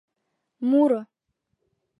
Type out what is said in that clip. Муро